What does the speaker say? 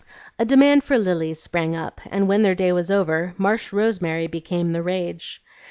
A demand for lilies sprang up, and when their day was over marsh rosemary became the rage.